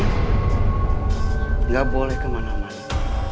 nggak boleh kemana mana